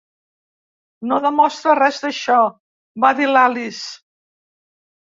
"No demostra res d'això!" va dir l'Alice.